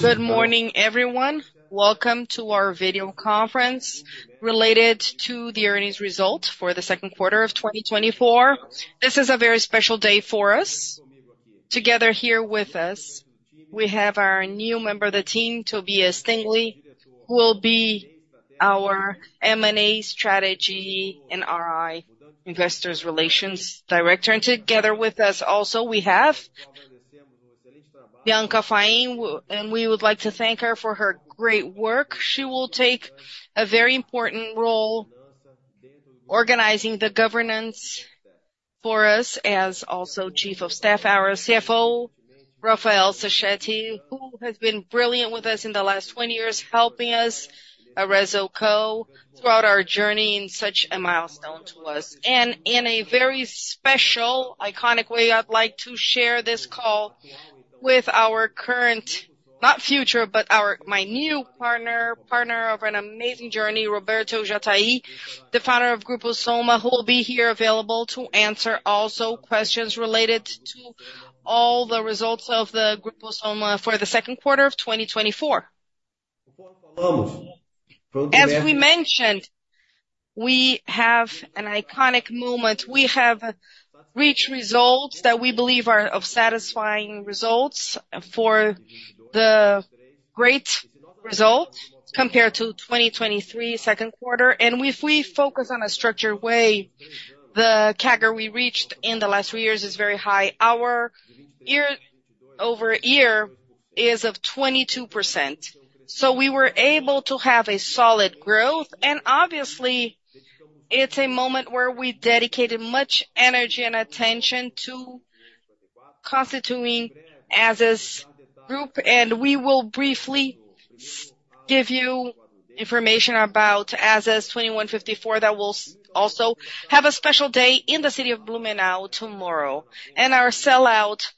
Good morning, everyone. Welcome to our video conference related to the earnings result for the second quarter of 2024. This is a very special day for us. Together here with us, we have our new member of the team, Tobias Stingel, who will be our M&A strategy and RI, Investor Relations Director. Together with us also, we have Bianca Faim, and we would like to thank her for her great work. She will take a very important role organizing the governance for us as also Chief of Staff, our CFO, Rafael Sachete, who has been brilliant with us in the last 20 years, helping us, Arezzo&Co, throughout our journey in such a milestone to us. In a very special, iconic way, I'd like to share this call with our current, not future, but our my new partner, partner of an amazing journey, Roberto Jatahy, the founder of Grupo Soma, who will be here available to answer also questions related to all the results of the Grupo Soma for the second quarter of 2024. As we mentioned, we have an iconic moment. We have reached results that we believe are of satisfying results for the great result compared to 2023, second quarter. If we focus on a structured way, the CAGR we reached in the last few years is very high. Our year-over-year is of 22%. So we were able to have a solid growth, and obviously, it's a moment where we dedicated much energy and attention to constituting Azzas Group, and we will briefly give you information about Azzas 2154, that will also have a special day in the city of Blumenau tomorrow. Our sellout,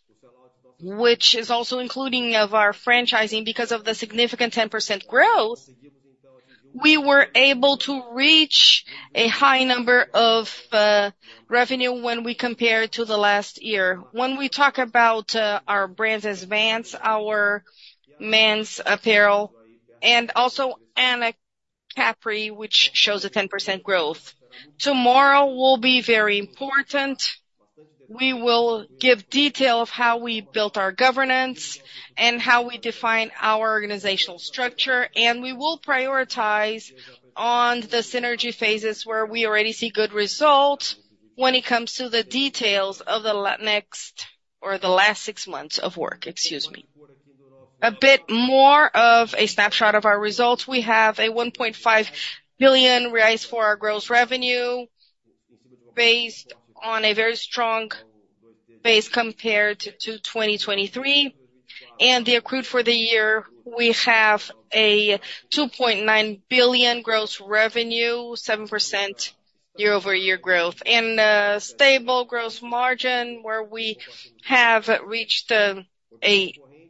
which is also including of our franchising, because of the significant 10% growth, we were able to reach a high number of revenue when we compare it to the last year. When we talk about our brands as Vans, our men's apparel, and also Anacapri, which shows a 10% growth. Tomorrow will be very important. We will give detail of how we built our governance and how we define our organizational structure, and we will prioritize on the synergy phases where we already see good results when it comes to the details of the last six months of work, excuse me. A bit more of a snapshot of our results. We have a 1.5 billion rise for our gross revenue, based on a very strong base compared to 2023. And the accrued for the year, we have a 2.9 billion gross revenue, 7% year-over-year growth, and a stable gross margin, where we have reached a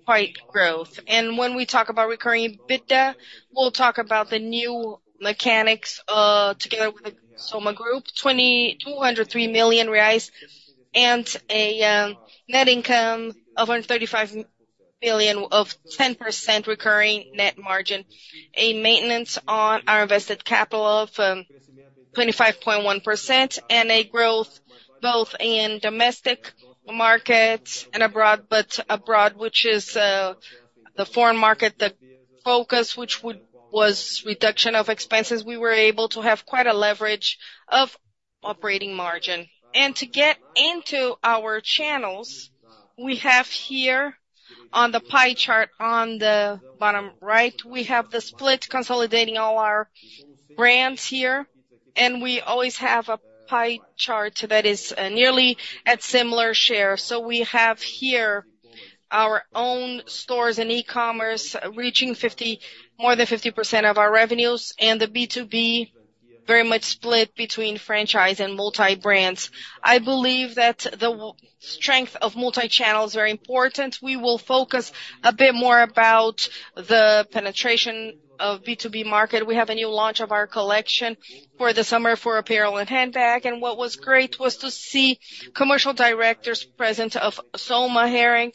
quite growth. When we talk about recurring EBITDA, we'll talk about the new mechanics together with the Soma Group, 2,203 million reais, and a net income of 135 billion of 10% recurring net margin, a maintenance on our invested capital of 25.1%, and a growth both in domestic markets and abroad. But abroad, which is the foreign market, the focus, which was reduction of expenses, we were able to have quite a leverage of operating margin. And to get into our channels, we have here on the pie chart, on the bottom right, we have the split, consolidating all our brands here, and we always have a pie chart that is nearly at similar share. So we have here our own stores and e-commerce reaching more than 50% of our revenues, and the B2B, very much split between franchise and multi-brands. I believe that the strength of multi-channel is very important. We will focus a bit more about the penetration of B2B market. We have a new launch of our collection for the summer for apparel and handbag. What was great was to see commercial directors present of Soma, Hering,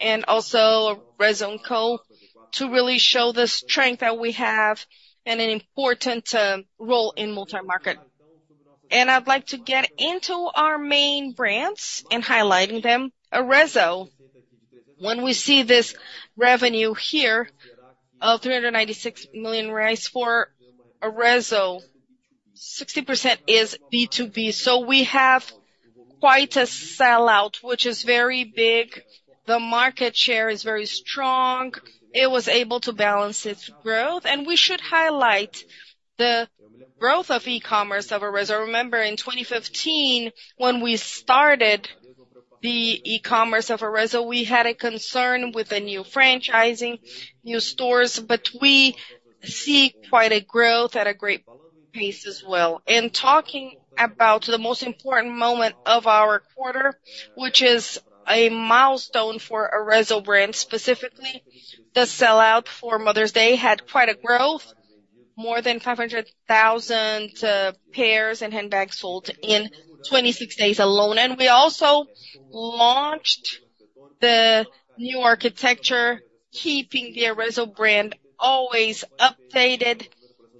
and also Arezzo&Co, to really show the strength that we have and an important role in multi-market. I'd like to get into our main brands and highlighting them. Arezzo, when we see this revenue here of 396 million for Arezzo, 60% is B2B. So we have quite a sell-out, which is very big. The market share is very strong. It was able to balance its growth, and we should highlight the growth of e-commerce of Arezzo. Remember, in 2015, when we started the e-commerce of Arezzo, we had a concern with the new franchising, new stores, but we see quite a growth at a great pace as well. And talking about the most important moment of our quarter, which is a milestone for Arezzo brand, specifically, the sellout for Mother's Day had quite a growth, more than 500,000 pairs and handbags sold in 26 days alone. And we also launched the new architecture, keeping the Arezzo brand always updated.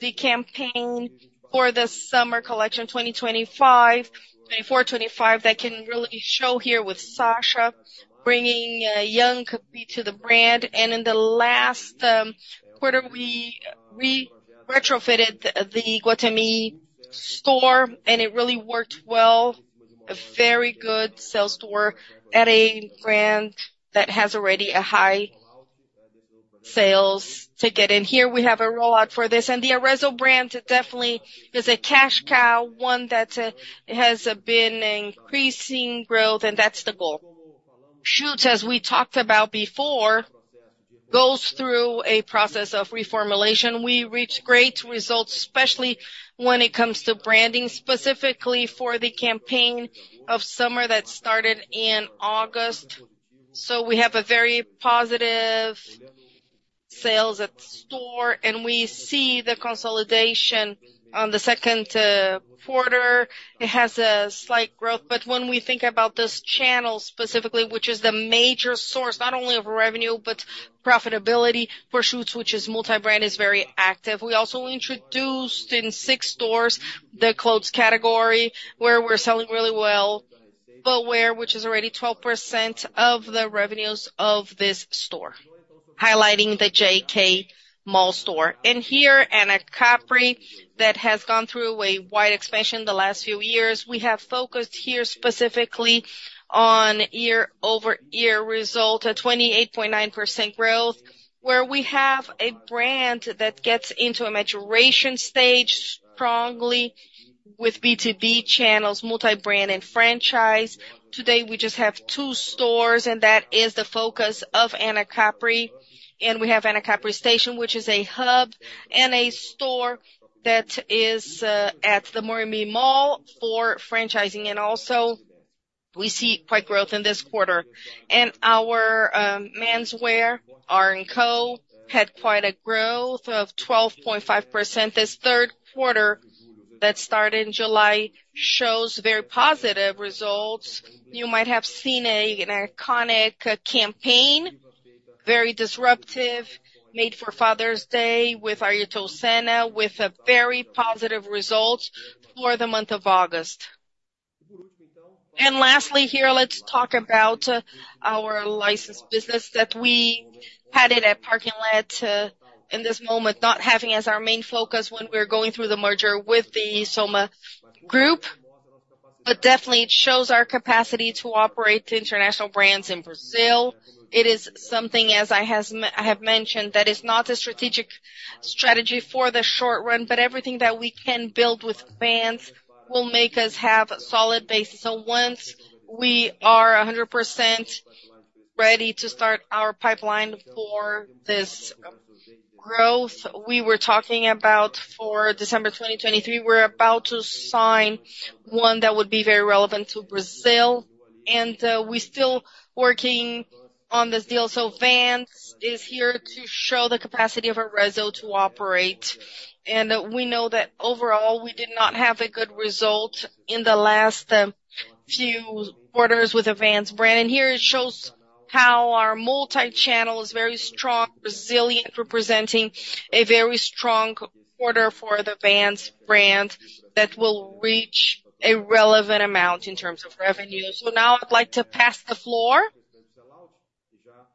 The campaign for the summer collection, 2025, 2024, 2025, that can really show here with Sasha bringing a young copy to the brand. And in the last quarter, we, we retrofitted the Iguatemi store, and it really worked well. A very good sales store at a brand that has already a high sales ticket. Here we have a rollout for this. The Arezzo brand definitely is a cash cow, one that has been increasing growth, and that's the goal. Schutz, as we talked about before, goes through a process of reformulation. We reached great results, especially when it comes to branding, specifically for the campaign of summer that started in August. So we have a very positive sales at store, and we see the consolidation on the second quarter. It has a slight growth, but when we think about this channel specifically, which is the major source not only of revenue but profitability for Schutz, which is multi-brand, is very active. We also introduced in six stores the clothes category, where we're selling really well. Footwear, which is already 12% of the revenues of this store, highlighting the JK mall store. Here, Anacapri, that has gone through a wide expansion the last few years. We have focused here specifically on year-over-year result, a 28.9% growth, where we have a brand that gets into a maturation stage strongly with B2B channels, multi-brand and franchise. Today, we just have two stores, and that is the focus of Anacapri. We have Anacapri Station, which is a hub and a store that is at the Morumbi Mall for franchising. Also we see quite growth in this quarter. Our menswear, AR&Co, had quite a growth of 12.5%. This third quarter that started in July shows very positive results. You might have seen an iconic campaign, very disruptive, made for Father's Day with Oliviero Toscani, with a very positive result for the month of August. Lastly here, let's talk about our license business that we had it at parking lot in this moment, not having as our main focus when we're going through the merger with the Soma Group, but definitely it shows our capacity to operate international brands in Brazil. It is something, as I have mentioned, that is not a strategic strategy for the short run, but everything that we can build with brands will make us have a solid base. So once we are 100% ready to start our pipeline for this growth we were talking about for December 2023, we're about to sign one that would be very relevant to Brazil, and we're still working on this deal. So Vans is here to show the capacity of Arezzo to operate, and we know that overall, we did not have a good result in the last few quarters with the Vans brand. And here it shows how our multi-channel is very strong, resilient, representing a very strong quarter for the Vans brand that will reach a relevant amount in terms of revenue. So now I'd like to pass the floor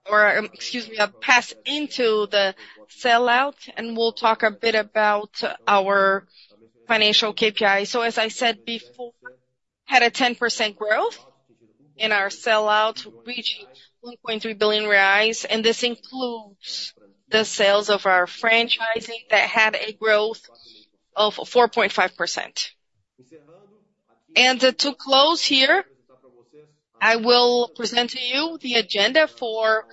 or, excuse me, pass into the sell-out, and we'll talk a bit about our financial KPI. So as I said before, had a 10% growth in our sell-out, reaching 1.3 billion reais, and this includes the sales of our franchising that had a growth of 4.5%. And to close here, I will present to you the agenda for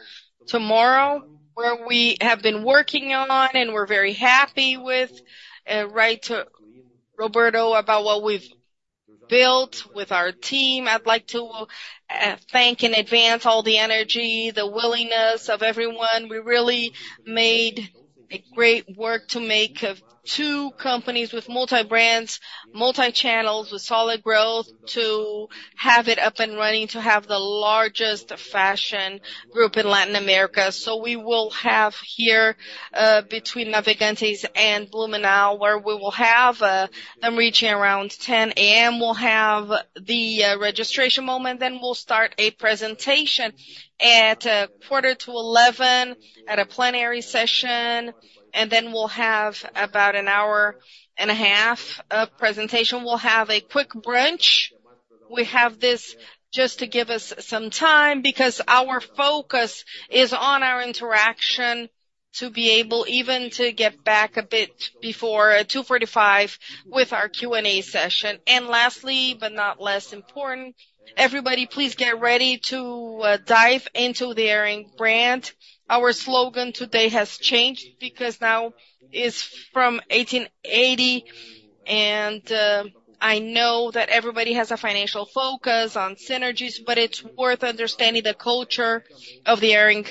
tomorrow, where we have been working on, and we're very happy with, right, Roberto, about what we've built with our team. I'd like to thank in advance all the energy, the willingness of everyone. We really made a great work to make of two companies with multi-brands, multi-channels, with solid growth, to have it up and running, to have the largest fashion group in Latin America. So we will have here, between Navegantes and Blumenau, where we will have, I'm reaching around 10:00 A.M., we'll have the registration moment, then we'll start a presentation at quarter to eleven at a plenary session, and then we'll have about an hour and a half of presentation. We'll have a quick brunch. We have this just to give us some time because our focus is on our interaction, to be able even to get back a bit before two forty-five with our Q&A session. And lastly, but not less important, everybody, please get ready to dive into the Hering brand. Our slogan today has changed because now it's from 1880. I know that everybody has a financial focus on synergies, but it's worth understanding the culture of the Hering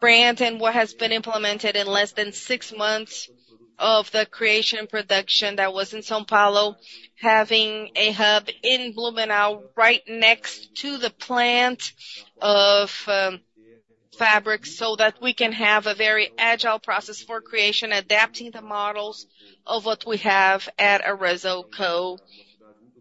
brand and what has been implemented in less than six months of the creation and production that was in São Paulo, having a hub in Blumenau, right next to the plant of fabric, so that we can have a very agile process for creation, adapting the models of what we have at Arezzo&Co,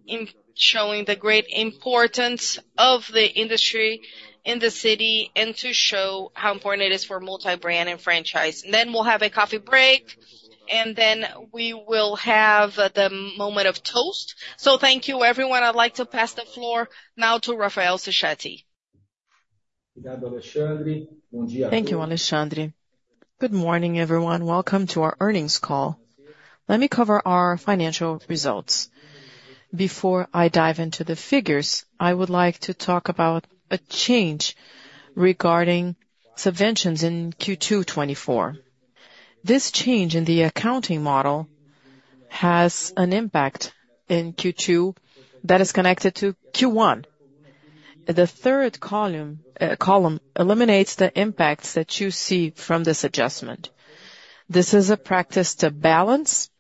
in showing the great importance of the industry in the city, and to show how important it is for multi-brand and franchise. And then we'll have a coffee break, and then we will have the moment of toast. So thank you, everyone. I'd like to pass the floor now to Rafael Sachete. Thank you, Alexandre. Good morning, everyone. Welcome to our earnings call. Let me cover our financial results. Before I dive into the figures, I would like to talk about a change regarding subventions in Q2 2024. This change in the accounting model has an impact in Q2 that is connected to Q1. The third column eliminates the impacts that you see from this adjustment. This is a practice to balance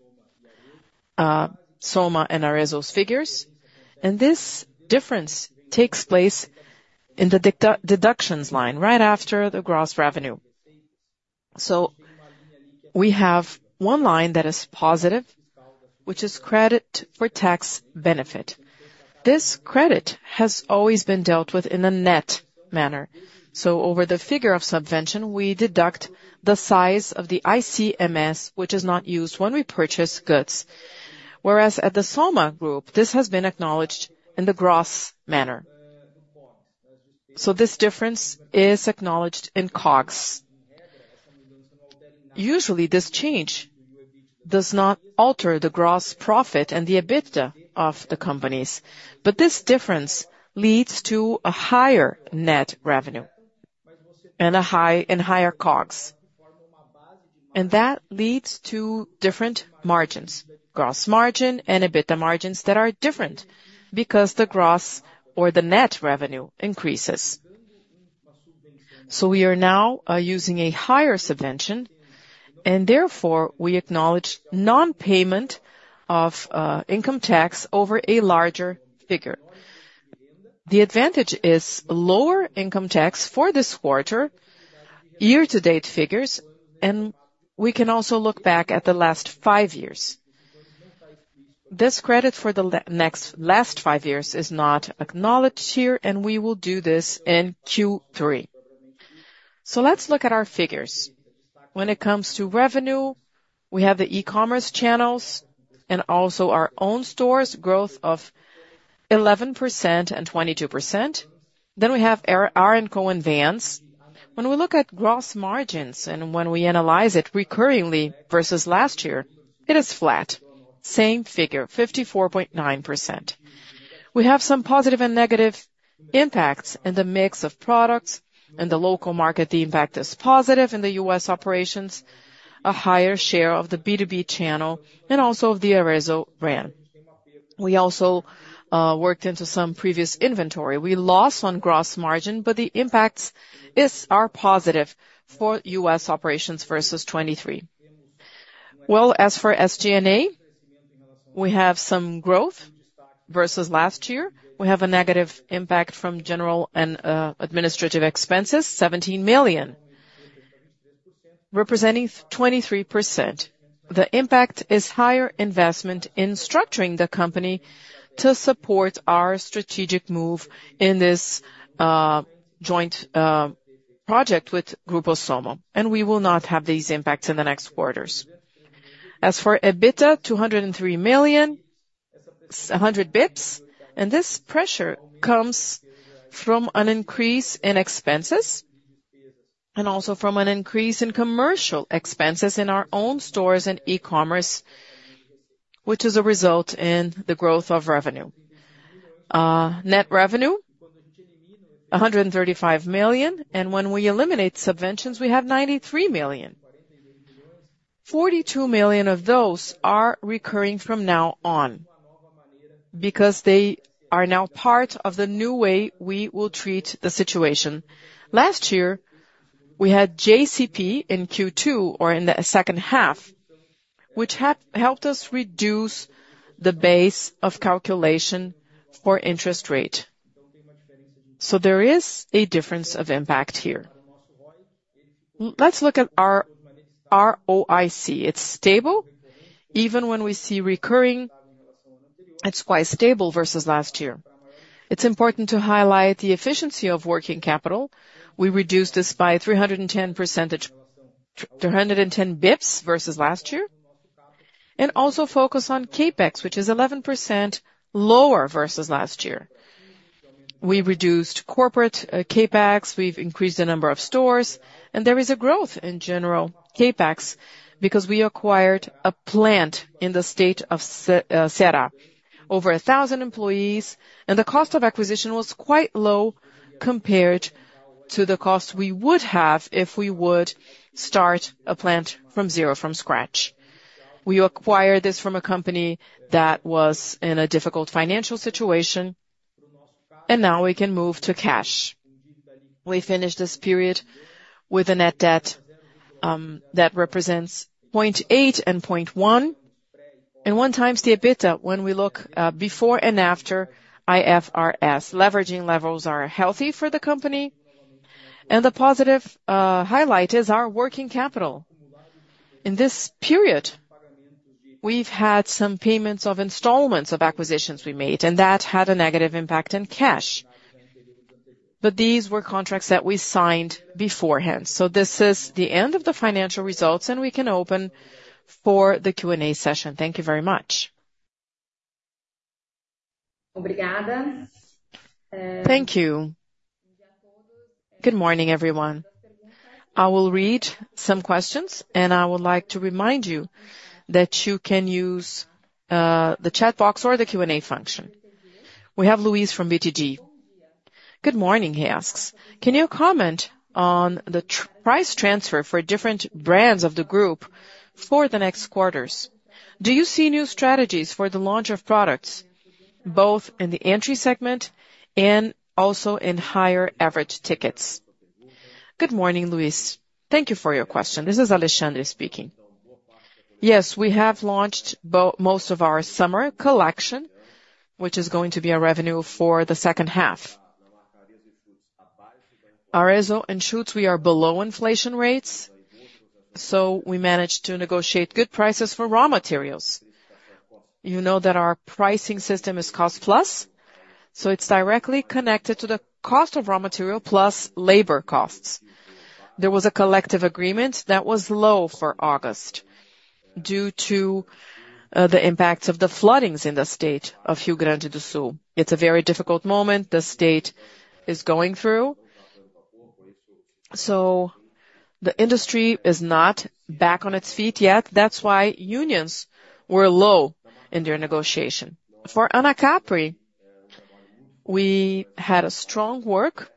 Soma and Arezzo's figures, and this difference takes place in the deductions line, right after the gross revenue. So we have one line that is positive, which is credit for tax benefit. This credit has always been dealt with in a net manner, so over the figure of subvention, we deduct the size of the ICMS, which is not used when we purchase goods. Whereas at the Soma group, this has been acknowledged in the gross margin. So this difference is acknowledged in COGS. Usually, this change does not alter the gross profit and the EBITDA of the companies, but this difference leads to a higher net revenue and a higher COGS, and that leads to different margins, gross margin and EBITDA margins that are different, because the gross or the net revenue increases. So we are now using a higher subvention, and therefore, we acknowledge non-payment of income tax over a larger figure. The advantage is lower income tax for this quarter, year-to-date figures, and we can also look back at the last five years. This credit for the last five years is not acknowledged here, and we will do this in Q3. So let's look at our figures. When it comes to revenue, we have the e-commerce channels and also our own stores, growth of 11% and 22%. Then we have AR&Co and Vans. When we look at gross margins and when we analyze it recurringly versus last year, it is flat. Same figure, 54.9%. We have some positive and negative impacts in the mix of products. In the local market, the impact is positive. In the U.S. operations, a higher share of the B2B channel, and also of the Arezzo brand. We also worked into some previous inventory. We lost on gross margin, but the impacts is, are positive for U.S. operations versus 2023. Well, as for SG&A, we have some growth versus last year. We have a negative impact from general and administrative expenses, 17 million, representing 23%. The impact is higher investment in structuring the company to support our strategic move in this joint project with Grupo Soma, and we will not have these impacts in the next quarters. As for EBITDA, 203 million, 100 basis points, and this pressure comes from an increase in expenses, and also from an increase in commercial expenses in our own stores and e-commerce, which is a result in the growth of revenue. Net revenue, 135 million, and when we eliminate subventions, we have 93 million. 42 million of those are recurring from now on, because they are now part of the new way we will treat the situation. Last year, we had JCP in Q2 or in the second half, which helped us reduce the base of calculation for interest rate. So there is a difference of impact here. Let's look at our ROIC. It's stable. Even when we see recurring, it's quite stable versus last year. It's important to highlight the efficiency of working capital. We reduced this by 310 basis points versus last year, and also focus on CapEx, which is 11% lower versus last year. We reduced corporate CapEx, we've increased the number of stores, and there is a growth in general CapEx, because we acquired a plant in the state of Ceará. Over 1,000 employees, and the cost of acquisition was quite low compared to the cost we would have if we would start a plant from zero, from scratch. We acquired this from a company that was in a difficult financial situation, and now we can move to cash. We finished this period with a net debt that represents 0.8x and 0.1x and 1x the EBITDA when we look before and after IFRS. Leverage levels are healthy for the company, and the positive highlight is our working capital. In this period, we've had some payments of installments of acquisitions we made, and that had a negative impact in cash. But these were contracts that we signed beforehand. This is the end of the financial results, and we can open for the Q&A session. Thank you very much. Thank you. Good morning, everyone. I will read some questions, and I would like to remind you that you can use the chat box or the Q&A function. We have Luiz from BTG. "Good morning," he asks. Can you comment on the price transfer for different brands of the group for the next quarters? Do you see new strategies for the launch of products, both in the entry segment and also in higher average tickets?" Good morning, Luiz. Thank you for your question. This is Alexandre speaking. Yes, we have launched most of our summer collection, which is going to be a revenue for the second half. Arezzo and Schutz, we are below inflation rates, so we managed to negotiate good prices for raw materials. You know that our pricing system is cost plus, so it's directly connected to the cost of raw material plus labor costs. There was a collective agreement that was low for August, due to the impacts of the floodings in the state of Rio Grande do Sul. It's a very difficult moment the state is going through, so the industry is not back on its feet yet. That's why unions were low in their negotiation. For Anacapri, we had a strong work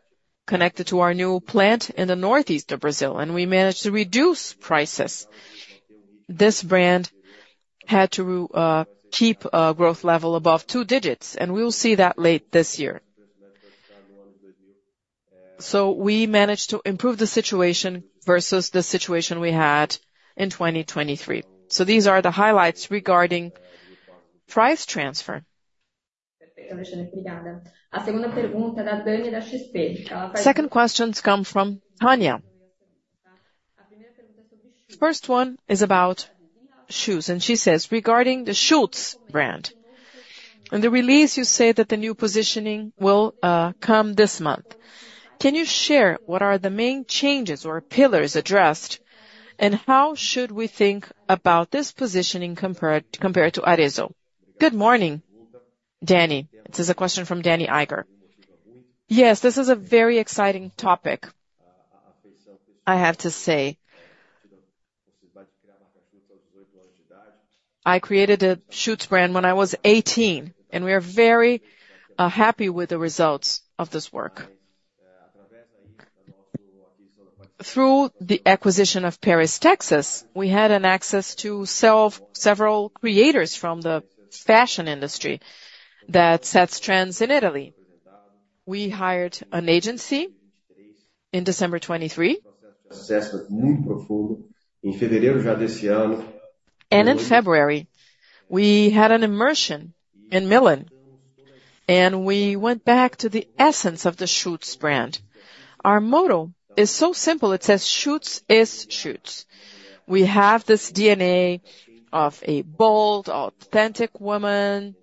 connected to our new plant in the northeast of Brazil, and we managed to reduce prices. This brand had to keep a growth level above two digits, and we will see that late this year. So we managed to improve the situation versus the situation we had in 2023. So these are the highlights regarding price transfer. Second questions come from Tanya. First one is about shoes, and she says: "Regarding the Schutz brand, in the release, you say that the new positioning will come this month. Can you share what are the main changes or pillars addressed, and how should we think about this positioning compared to Arezzo? Good morning, Danny. This is a question from Dani Eiger. Yes, this is a very exciting topic, I have to say. I created a Schutz brand when I was 18, and we are very happy with the results of this work. Through the acquisition of Paris Texas, we had access to several creators from the fashion industry that sets trends in Italy. We hired an agency in December 2023. In February, we had an immersion in Milan, and we went back to the essence of the Schutz brand. Our motto is so simple, it says, "Schutz is Schutz." We have this DNA of a bold, authentic woman,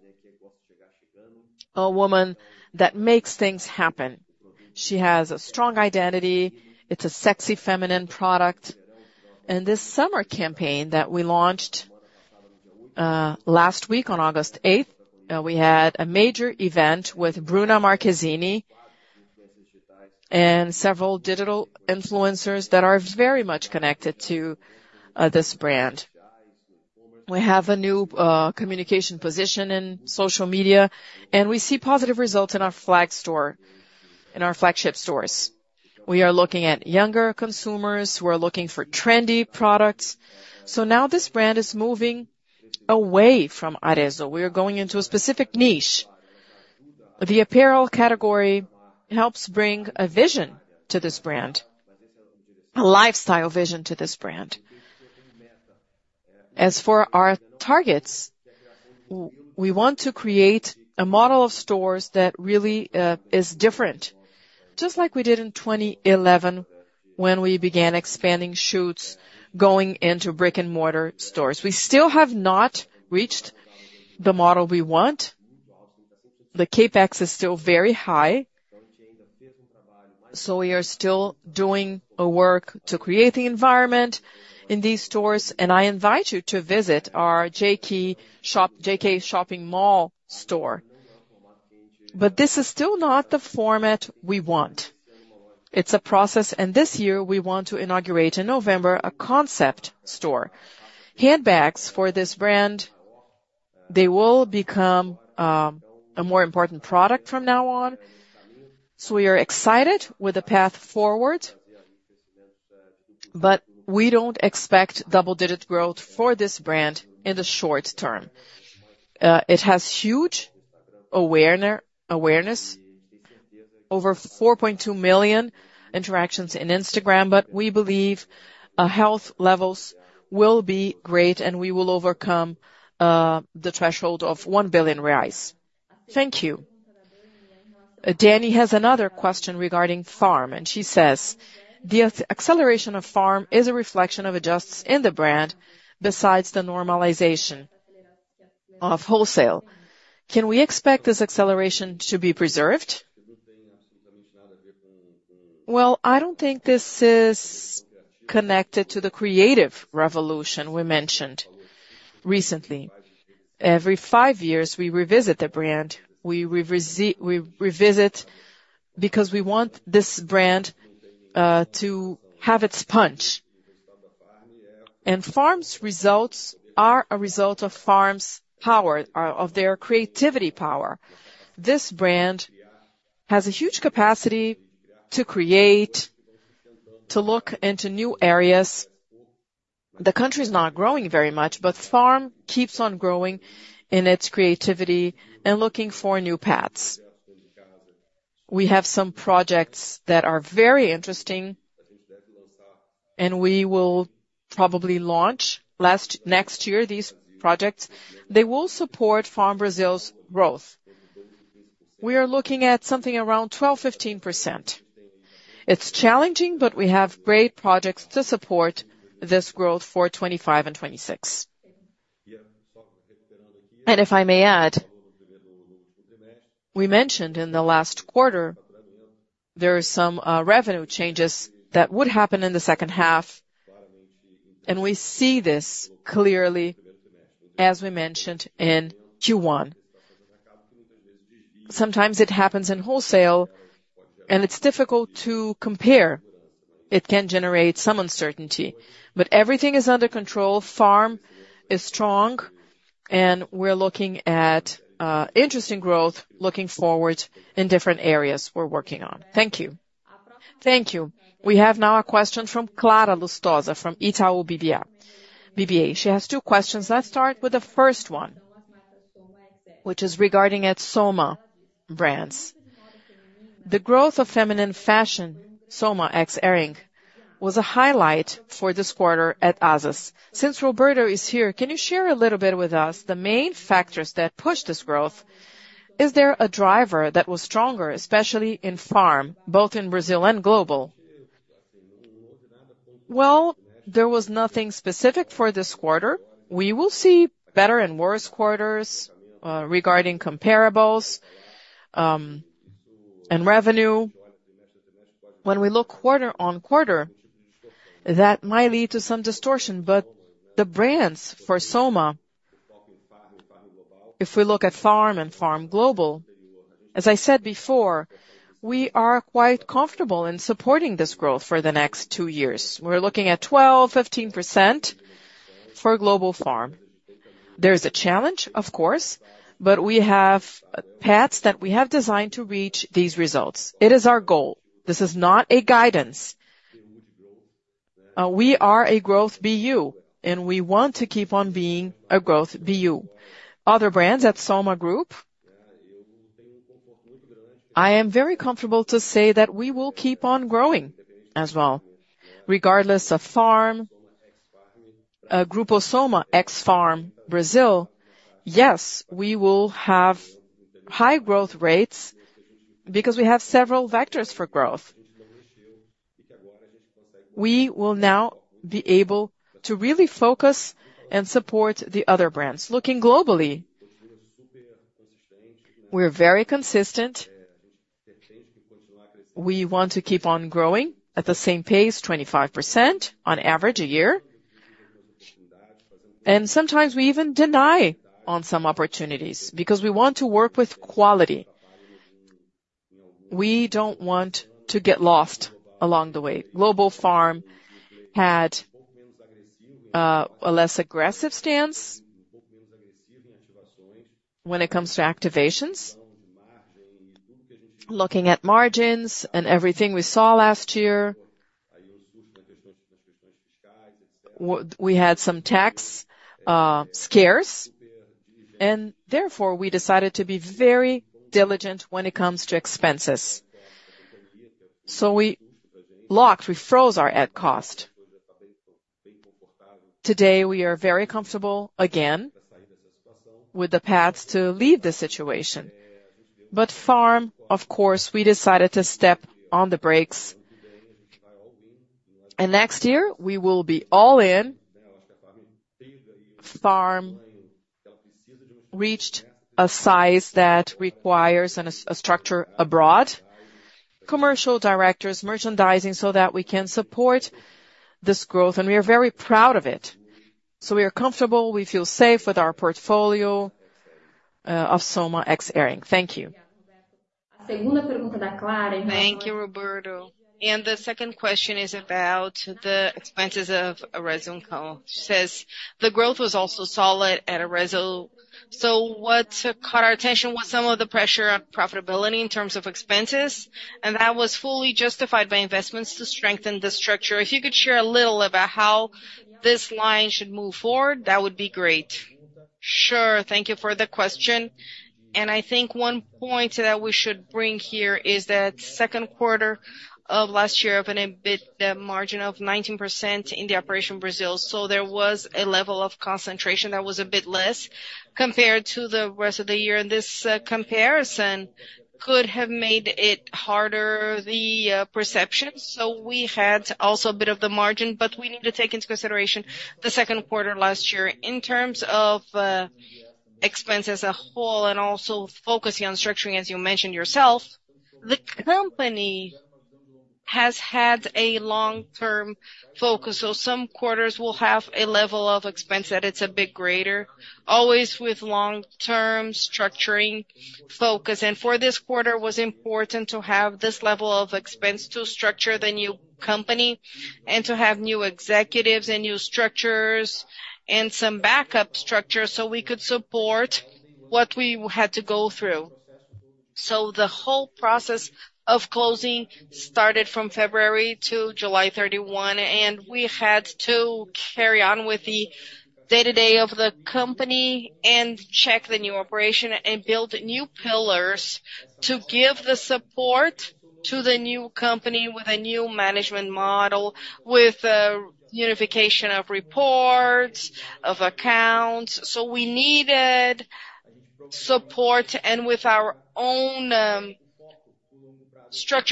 a woman that makes things happen. She has a strong identity. It's a sexy, feminine product. This summer campaign that we launched last week on August 8, we had a major event with Bruna Marquezine and several digital influencers that are very much connected to this brand. We have a new communication position in social media, and we see positive results in our flagship stores. We are looking at younger consumers who are looking for trendy products. So now this brand is moving away from Arezzo. We are going into a specific niche. The apparel category helps bring a vision to this brand, a lifestyle vision to this brand. As for our targets, we want to create a model of stores that really is different, just like we did in 2011, when we began expanding Schutz, going into brick-and-mortar stores. We still have not reached the model we want. The CapEx is still very high, so we are still doing a work to create the environment in these stores, and I invite you to visit our JK shop, JK shopping mall store. But this is still not the format we want. It's a process, and this year, we want to inaugurate in November, a concept store. Handbags for this brand, they will become a more important product from now on. So we are excited with the path forward, but we don't expect double-digit growth for this brand in the short term. It has huge awareness over 4.2 million interactions in Instagram, but we believe health levels will be great, and we will overcome the threshold of 1 billion reais. Thank you. Danny has another question regarding Farm, and she says: "The acceleration of Farm is a reflection of adjustments in the brand, besides the normalization of wholesale. Can we expect this acceleration to be preserved?" Well, I don't think this is connected to the creative revolution we mentioned recently. Every five years, we revisit the brand. We revisit because we want this brand to have its punch. And Farm's results are a result of Farm's power of their creativity power. This brand has a huge capacity to create, to look into new areas. The country is not growing very much, but Farm keeps on growing in its creativity and looking for new paths. We have some projects that are very interesting, and we will probably launch next year these projects. They will support Farm Brazil's growth. We are looking at something around 12%-15%. It's challenging, but we have great projects to support this growth for 2025 and 2026. And if I may add, we mentioned in the last quarter, there are some revenue changes that would happen in the second half, and we see this clearly as we mentioned in Q1. Sometimes it happens in wholesale, and it's difficult to compare. It can generate some uncertainty, but everything is under control. Farm is strong, and we're looking at interesting growth, looking forward in different areas we're working on. Thank you. Thank you. We have now a question from Clara Lustosa, from Itaú BBA. She has two questions. Let's start with the first one, which is regarding its Soma brands. "The growth of feminine fashion, Soma ex Hering, was a highlight for this quarter at Azzas. Since Roberto is here, can you share a little bit with us the main factors that pushed this growth? Is there a driver that was stronger, especially in Farm, both in Brazil and global? Well, there was nothing specific for this quarter. We will see better and worse quarters, regarding comparables, and revenue. When we look quarter-on-quarter, that might lead to some distortion, but the brands for Soma, if we look at Farm and Farm Global, as I said before, we are quite comfortable in supporting this growth for the next two years. We're looking at 12%-15% for Global Farm. There is a challenge, of course, but we have paths that we have designed to reach these results. It is our goal. This is not a guidance. We are a growth BU, and we want to keep on being a growth BU. Other brands at Grupo Soma, I am very comfortable to say that we will keep on growing as well, regardless of Farm, Grupo Soma ex Farm Brazil. Yes, we will have high growth rates because we have several vectors for growth. We will now be able to really focus and support the other brands. Looking globally, we're very consistent. We want to keep on growing at the same pace, 25% on average a year. And sometimes we even deny on some opportunities because we want to work with quality. We don't want to get lost along the way. Farm Global had a less aggressive stance when it comes to activations, looking at margins and everything we saw last year. We had some tax scares, and therefore, we decided to be very diligent when it comes to expenses. So we locked, we froze our ad cost. Today, we are very comfortable again with the paths to leave the situation. But Farm, of course, we decided to step on the brakes, and next year, we will be all in. Farm reached a size that requires a structure abroad, commercial directors, merchandising, so that we can support this growth, and we are very proud of it. So we are comfortable, we feel safe with our portfolio of Soma ex Hering. Thank you. Thank you, Roberto. And the second question is about the expenses of Arezzo&Co. She says, "The growth was also solid at Arezzo, so what caught our attention was some of the pressure on profitability in terms of expenses, and that was fully justified by investments to strengthen the structure. If you could share a little about how this line should move forward, that would be great." Sure, thank you for the question. And I think one point that we should bring here is that second quarter of last year opened a bit, the margin of 19% in the operation Brazil. So there was a level of concentration that was a bit less compared to the rest of the year, and this comparison could have made it harder, the perception. So we had also a bit of the margin, but we need to take into consideration the second quarter last year. In terms of, expense as a whole, and also focusing on structuring, as you mentioned yourself, the company has had a long-term focus. So some quarters will have a level of expense that it's a bit greater, always with long-term structuring focus. And for this quarter, was important to have this level of expense to structure the new company and to have new executives and new structures, and some backup structure, so we could support what we had to go through. So the whole process of closing started from February to July 31, and we had to carry on with the day-to-day of the company and check the new operation, and build new pillars to give the support to the new company with a new management model, with unification of reports, of accounts. So we needed support, and with our own structure,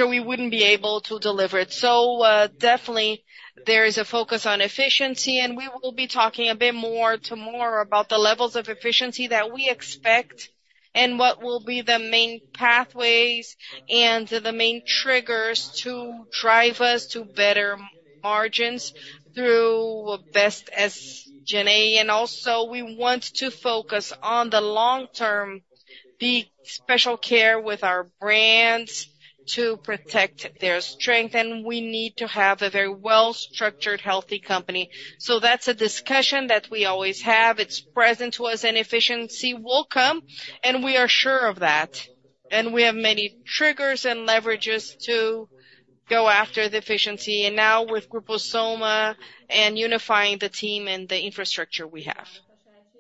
we wouldn't be able to deliver it. So, definitely, there is a focus on efficiency, and we will be talking a bit more tomorrow about the levels of efficiency that we expect, and what will be the main pathways and the main triggers to drive us to better margins through best as Generra. And also, we want to focus on the long term, the special care with our brands to protect their strength, and we need to have a very well-structured, healthy company. So that's a discussion that we always have. It's present to us, and efficiency will come, and we are sure of that. And we have many triggers and leverages to go after the efficiency, and now with Grupo Soma and unifying the team and the infrastructure we have.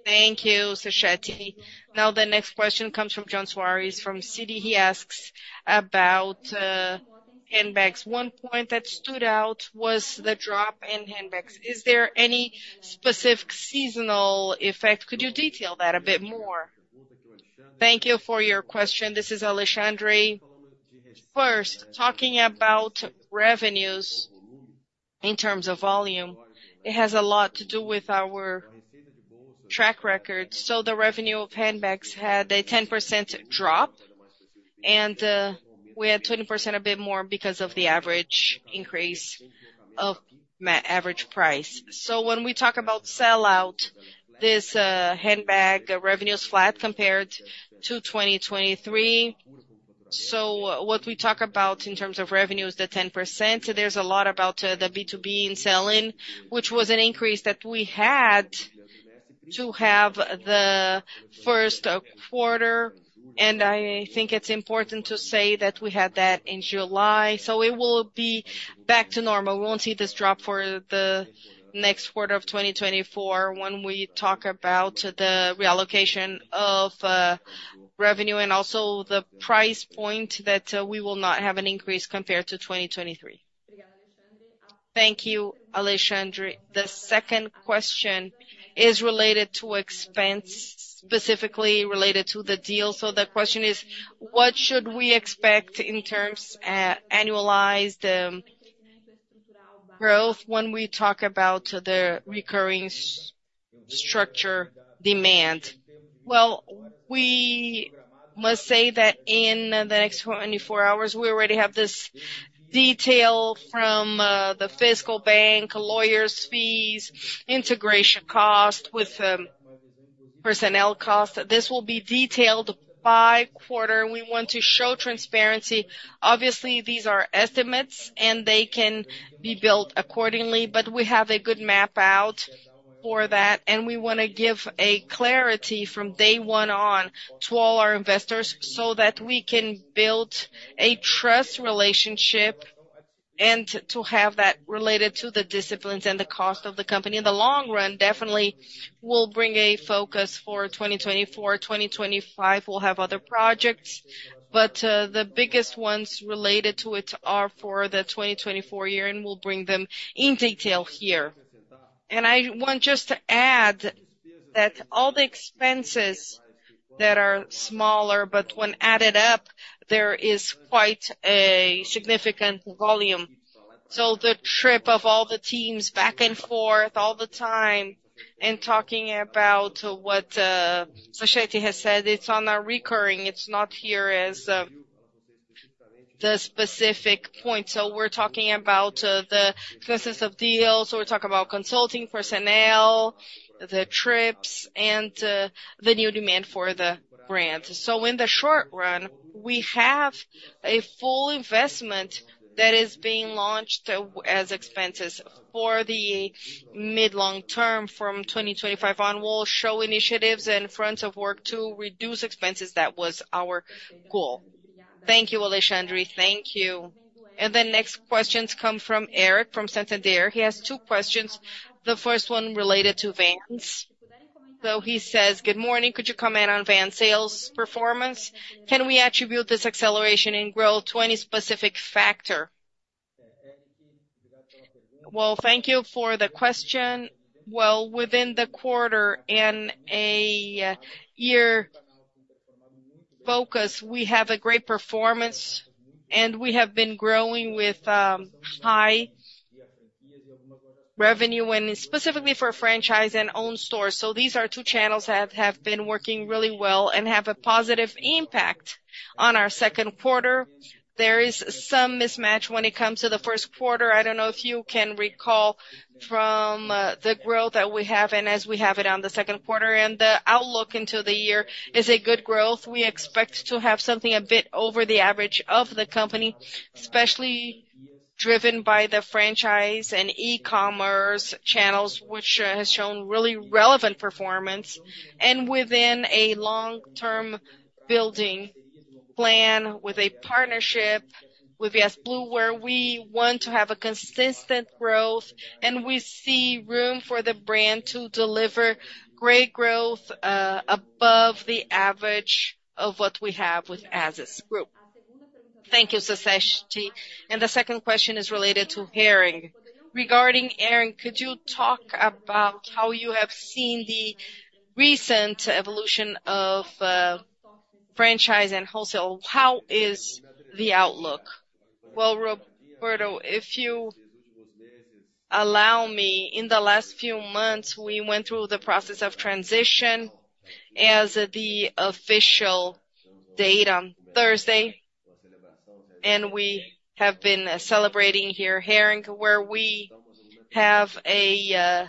Thank you, Sacchetti. Now, the next question comes from João Soares from Citi. He asks about handbags. One point that stood out was the drop in handbags. Is there any specific seasonal effect? Could you detail that a bit more? Thank you for your question. This is Alexandre. First, talking about revenues in terms of volume, it has a lot to do with our track record. So the revenue of handbags had a 10% drop, and we had 20% a bit more because of the average increase of average price. So when we talk about sell-out, this handbag revenue is flat compared to 2023. So what we talk about in terms of revenue is the 10%. There's a lot about the B2B in sell-in, which was an increase that we had to have the first quarter, and I think it's important to say that we had that in July, so it will be back to normal. We won't see this drop for the next quarter of 2024 when we talk about the reallocation of revenue and also the price point that we will not have an increase compared to 2023. Thank you, Alexandre. The second question is related to expense, specifically related to the deal. So the question is: What should we expect in terms, annualized, growth when we talk about the recurring structure demand? Well, we must say that in the next 24 hours, we already have this detail from the fiscal bank, lawyers' fees, integration cost with personnel cost. This will be detailed by quarter. We want to show transparency. Obviously, these are estimates, and they can be built accordingly, but we have a good map out for that, and we want to give a clarity from day one on to all our investors so that we can build a trust relationship and to have that related to the disciplines and the cost of the company. In the long run, definitely, we'll bring a focus for 2024. 2025, we'll have other projects, but the biggest ones related to it are for the 2024 year, and we'll bring them in detail here. I want just to add that all the expenses that are smaller, but when added up, there is quite a significant volume. So the trip of all the teams back and forth all the time, and talking about what Sachete has said, it's on a recurring, it's not here as the specific point. So we're talking about the expenses of deals, so we talk about consulting personnel, the trips, and the new demand for the brand. So in the short run, we have a full investment that is being launched as expenses. For the mid, long term, from 2025 on, we'll show initiatives and fronts of work to reduce expenses. That was our goal. Thank you, Alexandre. Thank you. And the next questions come from Eric, from Santander. He has two questions, the first one related to Vans. So he says, "Good morning, could you comment on Vans sales performance? Can we attribute this acceleration in growth to any specific factor?" Well, thank you for the question. Well, within the quarter and a year focus, we have a great performance, and we have been growing with high revenue, and specifically for franchise and own stores. So these are two channels that have been working really well and have a positive impact on our second quarter. There is some mismatch when it comes to the first quarter. I don't know if you can recall from the growth that we have and as we have it on the second quarter, and the outlook into the year is a good growth. We expect to have something a bit over the average of the company, especially driven by the franchise and e-commerce channels, which has shown really relevant performance, and within a long-term building plan with a partnership withVF Corp, where we want to have a consistent growth, and we see room for the brand to deliver great growth, above the average of what we have with Azzas Group. Thank you, Sachete. And the second question is related to Hering. Regarding Hering, could you talk about how you have seen the recent evolution of franchise and wholesale? How is the outlook? Well, Roberto, if you allow me, in the last few months, we went through the process of transition as the official date on Thursday, and we have been celebrating here, Hering, where we have a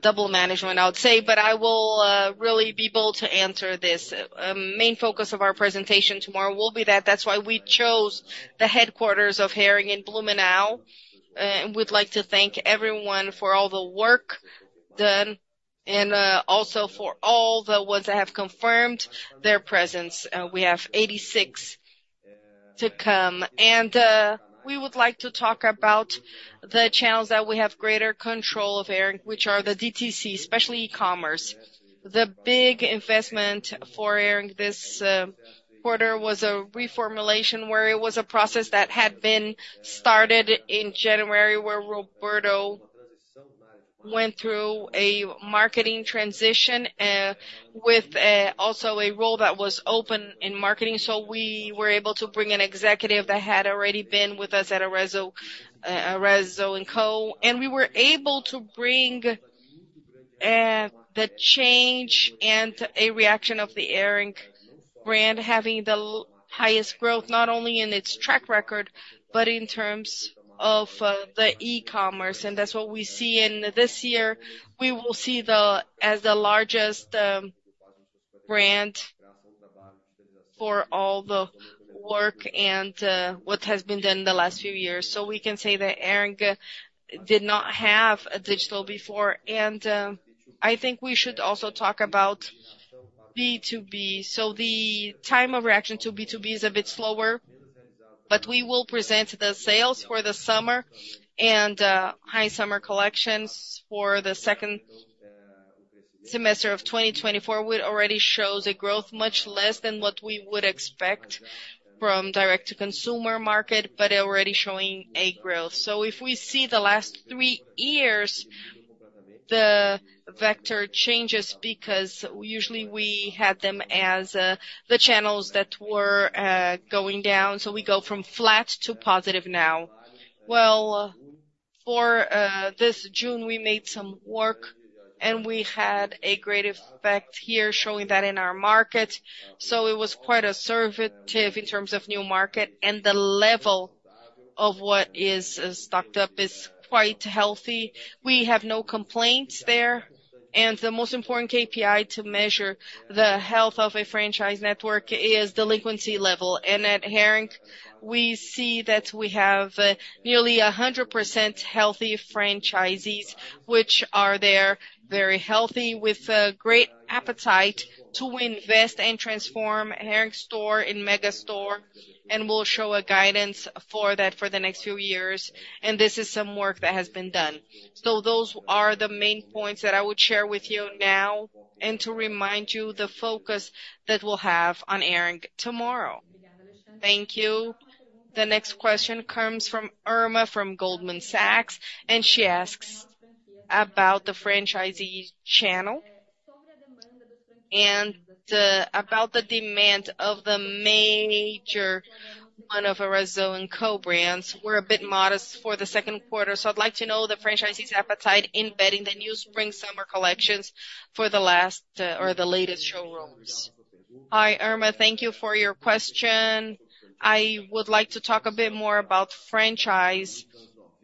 double management, I would say. But I will really be bold to answer this. Main focus of our presentation tomorrow will be that. That's why we chose the headquarters of Hering in Blumenau. We'd like to thank everyone for all the work done, and also for all the ones that have confirmed their presence. We have 86 to come. We would like to talk about the channels that we have greater control of Hering, which are the DTC, especially e-commerce. The big investment for Hering this quarter was a reformulation, where it was a process that had been started in January, where Roberto went through a marketing transition, with also a role that was open in marketing. So we were able to bring an executive that had already been with us at Arezzo & Co. And we were able to bring the change and a reaction of the Hering brand, having the highest growth, not only in its track record, but in terms of the e-commerce, and that's what we see. And this year, we will see as the largest brand for all the work and what has been done in the last few years. So we can say that Hering did not have a digital before, and I think we should also talk about B2B. So the time of reaction to B2B is a bit slower, but we will present the sales for the summer and high summer collections for the second semester of 2024, which already shows a growth much less than what we would expect from direct-to-consumer market, but already showing a growth. So if we see the last three years, the vector changes, because usually we had them as the channels that were going down. So we go from flat to positive now. Well, for this June, we made some work, and we had a great effect here, showing that in our market. So it was quite assertive in terms of new market, and the level of what is stocked up is quite healthy. We have no complaints there. And the most important KPI to measure the health of a franchise network is delinquency level. At Hering, we see that we have nearly 100% healthy franchisees, which are there, very healthy, with a great appetite to invest and transform Hering store in mega store, and we'll show a guidance for that for the next few years, and this is some work that has been done. So those are the main points that I would share with you now, and to remind you, the focus that we'll have on Hering tomorrow. Thank you. The next question comes from Irma, from Goldman Sachs, and she asks about the franchisee channel and about the demand of the major one of Arezzo&Co brands. We're a bit modest for the second quarter, so I'd like to know the franchisee's appetite in betting the new spring/summer collections for the last, or the latest showrooms. Hi, Irma, thank you for your question. I would like to talk a bit more about franchise.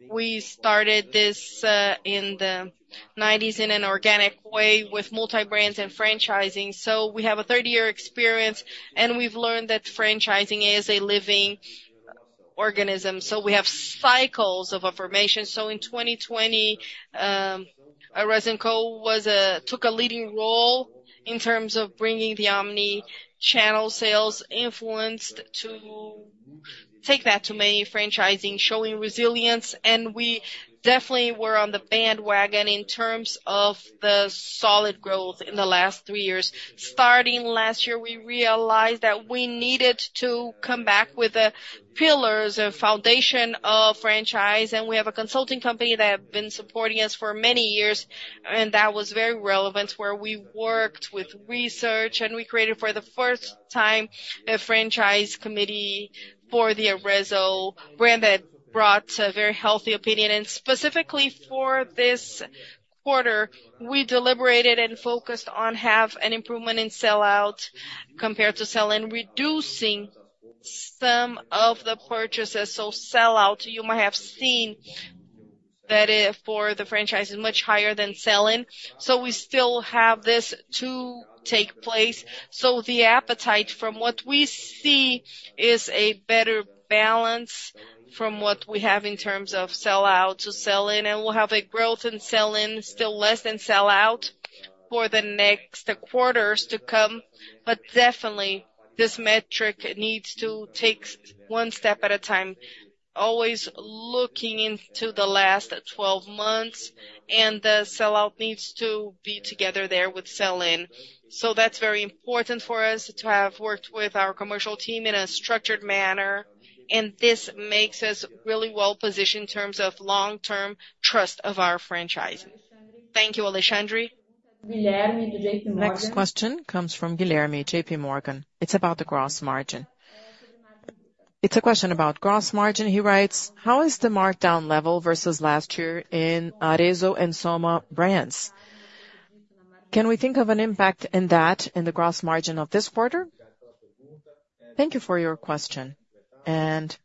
We started this in the 1990s, in an organic way with multi-brands and franchising, so we have a 30-year experience, and we've learned that franchising is a living organism, so we have cycles of affirmation. So in 2020, Arezzo&Co took a leading role in terms of bringing the omni-channel sales influence to take that to many franchising, showing resilience, and we definitely were on the bandwagon in terms of the solid growth in the last three years. Starting last year, we realized that we needed to come back with the pillars, the foundation of franchise, and we have a consulting company that have been supporting us for many years, and that was very relevant, where we worked with research, and we created, for the first time, a franchise committee for the Arezzo brand that brought a very healthy opinion. And specifically for this quarter, we deliberated and focused on have an improvement in sell-out compared to sell-in, reducing some of the purchases. So sell-out, you might have seen that, for the franchise is much higher than sell-in, so we still have this to take place. So the appetite, from what we see, is a better balance from what we have in terms of sell-out to sell-in, and we'll have a growth in sell-in, still less than sell-out, for the next quarters to come. Definitely, this metric needs to take one step at a time, always looking into the last 12 months, and the sell-out needs to be together there with sell-in. That's very important for us to have worked with our commercial team in a structured manner, and this makes us really well positioned in terms of long-term trust of our franchise. Thank you, Alexandre. Next question comes from Guilherme, J.P. Morgan. It's about the gross margin. It's a question about gross margin. He writes: "How is the markdown level versus last year in Arezzo and Soma brands? Can we think of an impact in that in the gross margin of this quarter?" Thank you for your question, and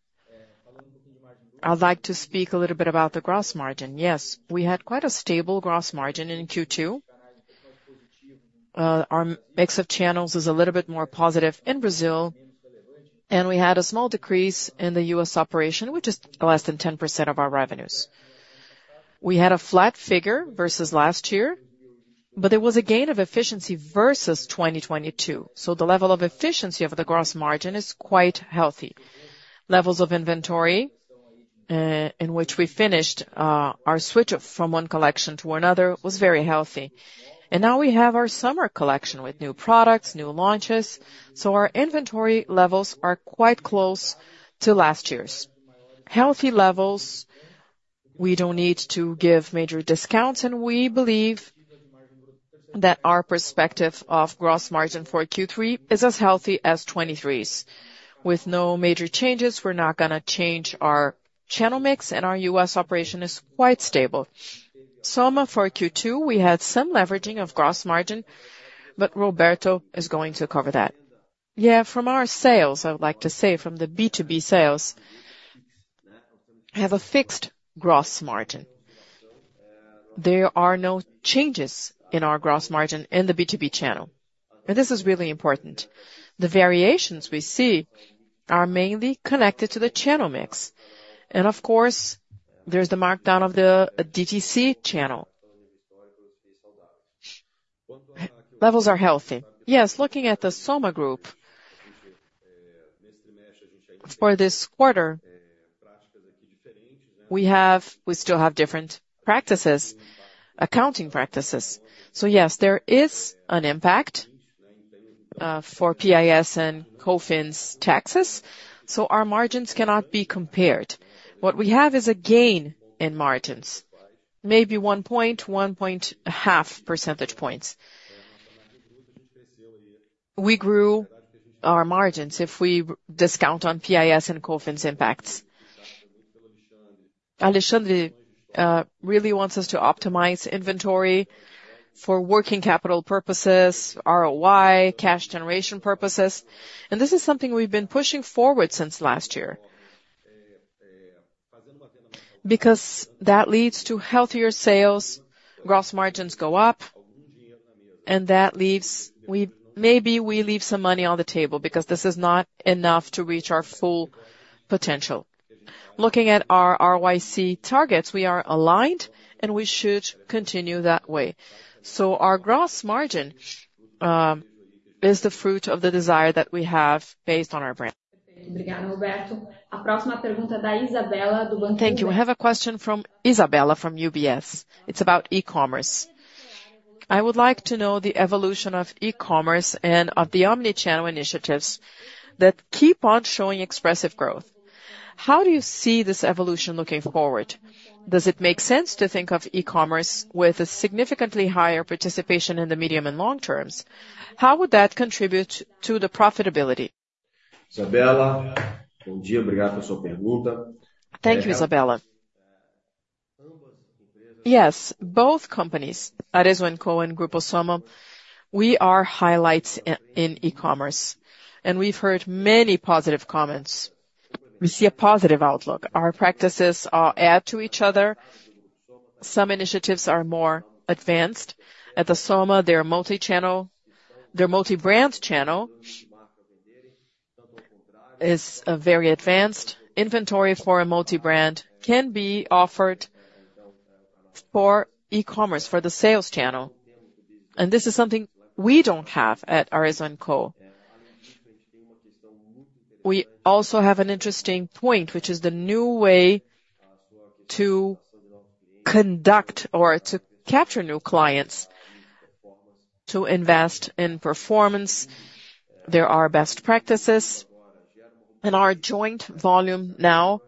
I'd like to speak a little bit about the gross margin. Yes, we had quite a stable gross margin in Q2. Our mix of channels is a little bit more positive in Brazil, and we had a small decrease in the U.S. operation, which is less than 10% of our revenues. We had a flat figure versus last year, but there was a gain of efficiency versus 2022, so the level of efficiency of the gross margin is quite healthy. Levels of inventory, in which we finished, our switch up from one collection to another, was very healthy. And now we have our summer collection with new products, new launches, so our inventory levels are quite close to last year's. Healthy levels, we don't need to give major discounts, and we believe that our perspective of gross margin for Q3 is as healthy as 2023's. With no major changes, we're not gonna change our channel mix, and our U.S. operation is quite stable. Soma for Q2, we had some leveraging of gross margin, but Roberto is going to cover that. Yeah, from our sales, I would like to say from the B2B sales, we have a fixed gross margin. There are no changes in our gross margin in the B2B channel, and this is really important. The variations we see are mainly connected to the channel mix, and of course, there's the markdown of the DTC channel. Levels are healthy. Yes, looking at the Soma group, for this quarter, we still have different practices, accounting practices. So yes, there is an impact for PIS and COFINS taxes, so our margins cannot be compared. What we have is a gain in margins, maybe one point, one point half percentage points. We grew our margins if we discount on PIS and COFINS impacts. Alexandre really wants us to optimize inventory for working capital purposes, ROI, cash generation purposes, and this is something we've been pushing forward since last year. Because that leads to healthier sales, gross margins go up, and that leaves maybe we leave some money on the table because this is not enough to reach our full potential. Looking at our ROIC targets, we are aligned, and we should continue that way. So our gross margin is the fruit of the desire that we have based on our brand. Thank you. We have a question from Isabella from UBS. It's about e-commerce. I would like to know the evolution of e-commerce and of the omni-channel initiatives that keep on showing expressive growth. How do you see this evolution looking forward? Does it make sense to think of e-commerce with a significantly higher participation in the medium and long terms? How would that contribute to the profitability? Thank you, Isabella. Yes, both companies, Arezzo & Co and Grupo Soma, we are highlights in e-commerce, and we've heard many positive comments. We see a positive outlook. Our practices add to each other. Some initiatives are more advanced. At the Soma, their multi-channel—their multi-brand channel is very advanced. Inventory for a multi-brand can be offered for e-commerce, for the sales channel, and this is something we don't have at Arezzo & Co. We also have an interesting point, which is the new way to conduct or to capture new clients, to invest in performance. There are best practices, and our joint volume now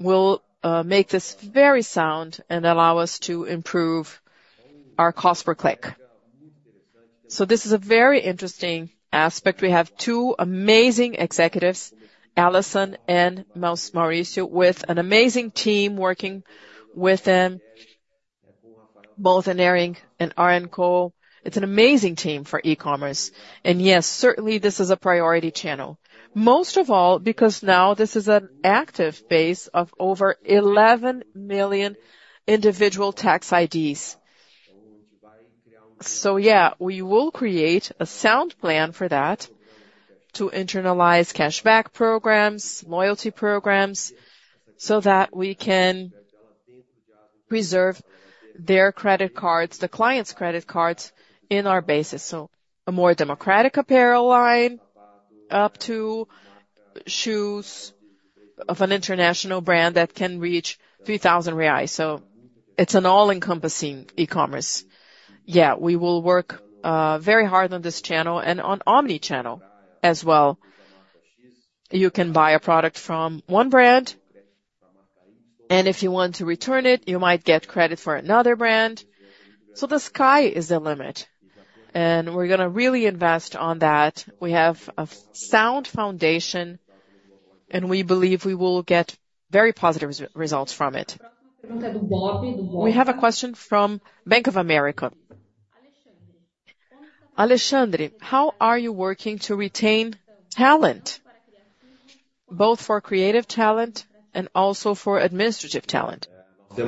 will make this very sound and allow us to improve our cost per click. So this is a very interesting aspect. We have two amazing executives, Alison and Mauricio, with an amazing team working with them, both in Hering and Arezzo & Co. It's an amazing team for e-commerce. And yes, certainly, this is a priority channel. Most of all, because now this is an active base of over 11 million individual tax IDs. So yeah, we will create a sound plan for that to internalize cashback programs, loyalty programs, so that we can preserve their credit cards, the client's credit cards, in our basis. So a more democratic apparel line, up to shoes of an international brand that can reach 3,000 reais. So it's an all-encompassing e-commerce. Yeah, we will work very hard on this channel and on Omni-channel as well. You can buy a product from one brand, and if you want to return it, you might get credit for another brand. So the sky is the limit, and we're gonna really invest on that. We have a sound foundation, and we believe we will get very positive results from it. We have a question from Bank of America. Alexandre, how are you working to retain talent, both for creative talent and also for administrative talent? Yeah,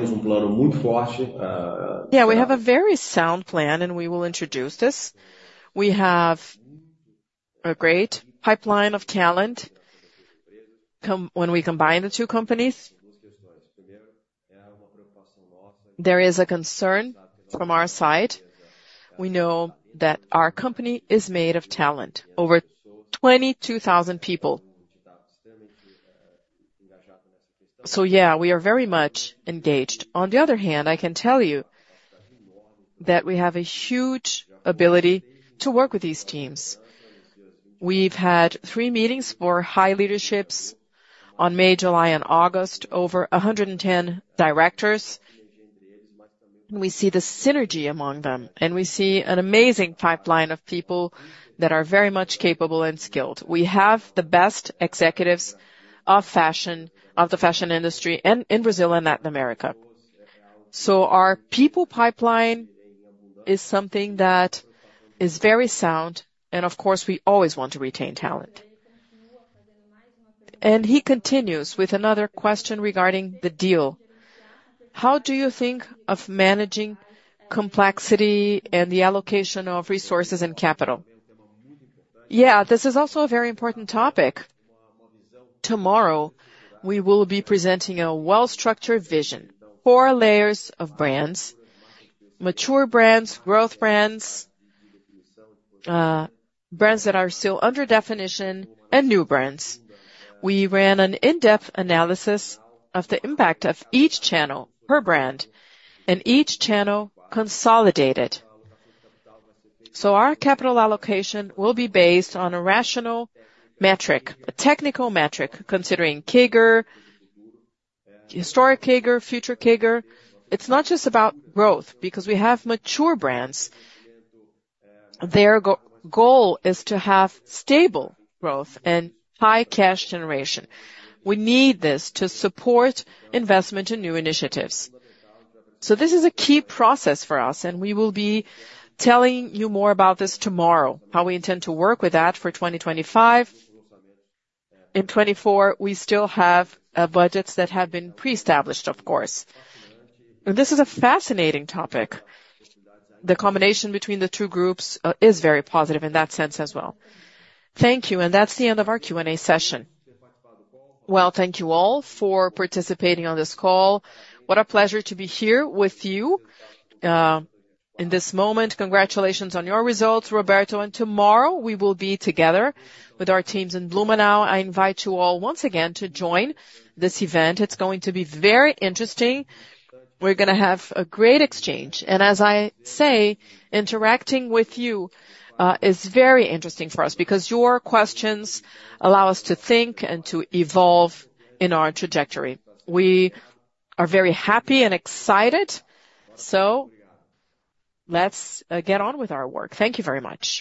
we have a very sound plan, and we will introduce this. We have a great pipeline of talent when we combine the two companies. There is a concern from our side. We know that our company is made of talent, over 22,000 people. So yeah, we are very much engaged. On the other hand, I can tell you that we have a huge ability to work with these teams. We've had three meetings for high leaderships on May, July, and August, over 110 directors. We see the synergy among them, and we see an amazing pipeline of people that are very much capable and skilled. We have the best executives of fashion, of the fashion industry, in, in Brazil and Latin America. So our people pipeline is something that is very sound, and of course, we always want to retain talent. He continues with another question regarding the deal: How do you think of managing complexity and the allocation of resources and capital? Yeah, this is also a very important topic. Tomorrow, we will be presenting a well-structured vision, four layers of brands, mature brands, growth brands, brands that are still under definition, and new brands. We ran an in-depth analysis of the impact of each channel per brand and each channel consolidated. So our capital allocation will be based on a rational metric, a technical metric, considering CAGR, historic CAGR, future CAGR. It's not just about growth, because we have mature brands. Their goal is to have stable growth and high cash generation. We need this to support investment in new initiatives. So this is a key process for us, and we will be telling you more about this tomorrow, how we intend to work with that for 2025. In 2024, we still have budgets that have been pre-established, of course. This is a fascinating topic. The combination between the two groups is very positive in that sense as well. Thank you, and that's the end of our Q&A session. Well, thank you all for participating on this call. What a pleasure to be here with you in this moment. Congratulations on your results, Roberto, and tomorrow we will be together with our teams in Blumenau. I invite you all once again to join this event. It's going to be very interesting. We're gonna have a great exchange, and as I say, interacting with you is very interesting for us because your questions allow us to think and to evolve in our trajectory. We are very happy and excited, so let's get on with our work. Thank you very much.